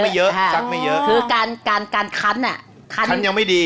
สักไม่เยอะค่ะสักไม่เยอะคือการการการคันอ่ะคันคันยังไม่ดี